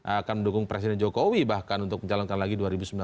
akan mendukung presiden jokowi bahkan untuk menjalankan lagi dua ribu sembilan belas